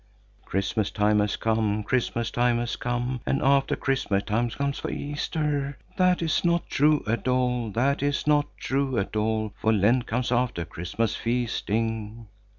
Christmas time has come, Christmas time has come, And after Christmas time comes Easter. That is not true at all, That is not true at all, For Lent comes after Christmas feasting.